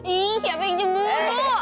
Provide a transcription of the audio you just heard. ih siapa yang cemburu